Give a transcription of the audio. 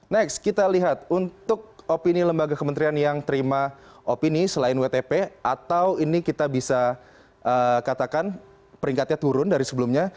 next kita lihat untuk opini lembaga kementerian yang terima opini selain wtp atau ini kita bisa katakan peringkatnya turun dari sebelumnya